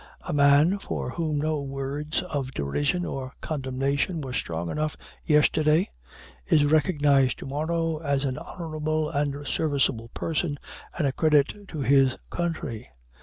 A man for whom no words of derision or condemnation were strong enough yesterday is recognized to morrow as an honorable and serviceable person, and a credit to his country.